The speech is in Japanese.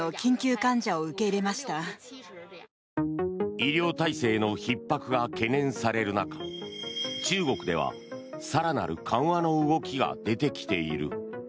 医療体制のひっ迫が懸念される中中国では更なる緩和の動きが出てきている。